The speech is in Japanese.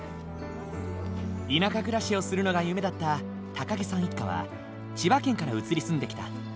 田舎暮らしをするのが夢だった高木さん一家は千葉県から移り住んできた。